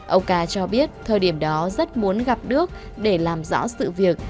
ông ca cho biết thời điểm đó rất muốn gặp đức để làm rõ sự việc